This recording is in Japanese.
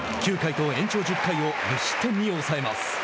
９回と延長１０回を無失点に抑えます。